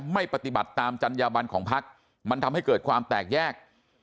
ไม่ปฏิบัติตามจัญญาบันของพักมันทำให้เกิดความแตกแยก